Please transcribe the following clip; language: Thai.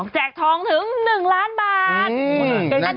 ทองถึง๑ล้านบาท